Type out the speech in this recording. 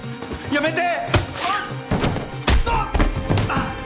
やめて！